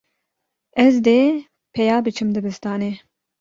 Ez dê peya biçim dibistanê.